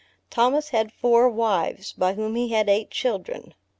Thomas had four wives, by whom he had eight children.